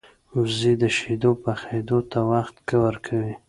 وزې د شیدو پخېدو ته وخت ورکوي